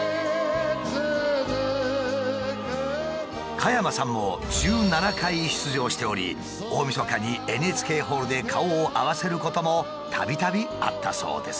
加山さんも１７回出場しており大みそかにＮＨＫホールで顔を合わせることもたびたびあったそうです。